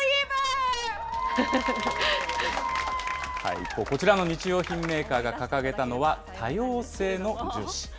一方、こちらの日用品メーカーが掲げたのは、多様性の重視。